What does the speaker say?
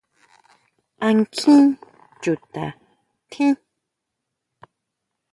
¿A nkjin chuta tjín?